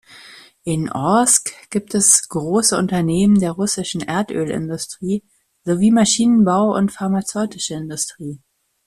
In Orsk gibt es große Unternehmen der russischen Erdölindustrie sowie Maschinenbau und pharmazeutische Industrie.